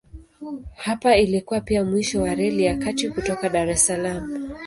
Hapa ilikuwa pia mwisho wa Reli ya Kati kutoka Dar es Salaam.